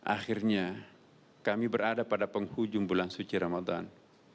akhirnya kami berada pada penghujung bulan suci ramadan